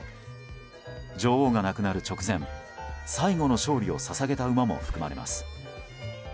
女王が亡くなる直前最後の勝利を捧げた馬も含まれます。